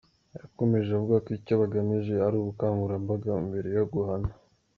Yakomeje avuga ko icyo bagamije ari ubukangurambaga mbere yo guhana.